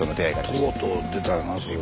とうとう出たよなそれ。